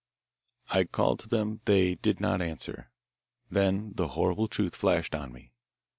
"'I called to them. They did not answer. Then the horrible truth flashed on me.